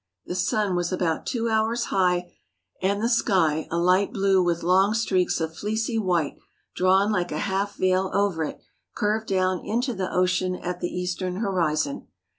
The sun was about two hours high and the sky, a light blue with long streaks of fleecy white drawn like a half veil over it, curved down into the ocean at the eastern horizon.